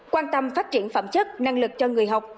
quan tâm phát triển phẩm chất năng lực cho người học